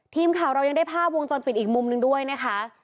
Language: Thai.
ทีมข่าวเรายังได้ภาพวงจรปิดอีกมุมหนึ่งด้วยนะคะ